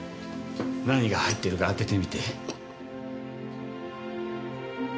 何が入ってるか当ててみて。